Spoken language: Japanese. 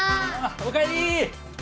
おかえり！